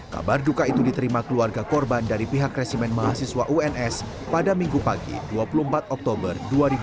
kabar duka itu diterima keluarga korban dari pihak resimen mahasiswa uns pada minggu pagi dua puluh empat oktober dua ribu dua puluh